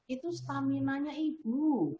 itu staminanya ibu